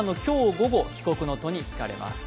午後、帰国の途につかれます。